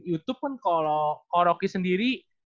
youtube kan kalo ko rocky sendiri